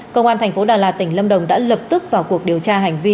công an thành phố đà lạt tỉnh lâm đồng đã lập tức vào cuộc điều tra hành vi